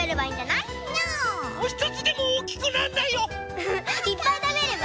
いっぱいたべれば？